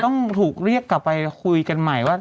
ต้องถูกเรียกกลับไปคุยกันใหม่ว่า